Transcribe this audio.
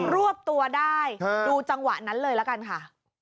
รวบตัวได้ดูจังหวะนั้นเลยละกันค่ะ